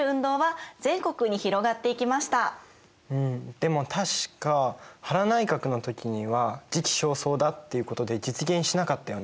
でも確か原内閣の時には時期尚早だっていうことで実現しなかったよね。